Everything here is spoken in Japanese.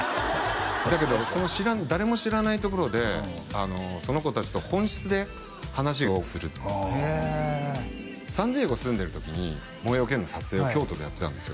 だけど誰も知らないところでその子達と本質で話をするサンディエゴ住んでる時に「燃えよ剣」の撮影を京都でやってたんですよ